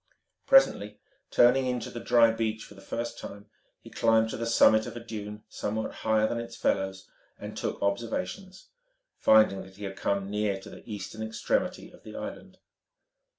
Presently, turning in to the dry beach for the first time, he climbed to the summit of a dune somewhat higher than its fellows, and took observations, finding that he had come near to the eastern extremity of the island.